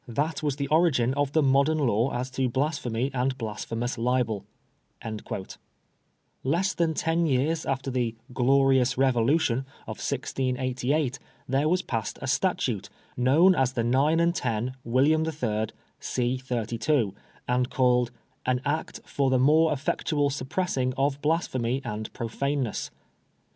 This was the origin of the modem law as to blasphemy and blasphemous libel."* Less than ten years after the " glorious revolution '^ of 1688 there was passed a statute, known as the 9 and 10 William HI., c. 32, and called " An Act for the more effectual suppressing of Blasphemy and Profaneness.